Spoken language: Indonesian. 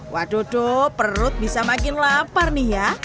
waduh perut bisa makin lapar nih ya